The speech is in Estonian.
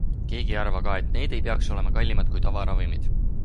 Keegi ei arva ka, et need ei peaks olema kallimad kui tavaravimid.